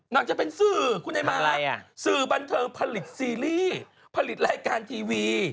จะเป็นสื่อคุณไอ้มาอะไรสื่อบันเทิงผลิตซีรีส์ผลิตรายการทีวี